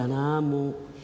もう。